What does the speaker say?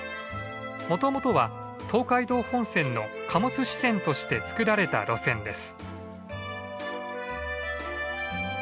もともとは東海道本線の貨物支線として造られた路線です。